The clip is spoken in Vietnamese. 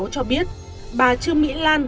cho biết bà trương mỹ lan